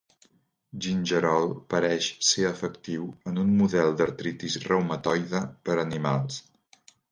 Gingerol pareix ser efectiu en un model d'artritis reumatoide per animals.